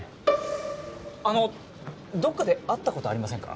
あのどっかで会ったことありませんか？